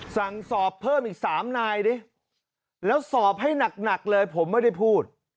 สั่งสอบเพิ่มอีก๓นายดิแล้วสอบให้หนักเลยผมไม่ได้พูด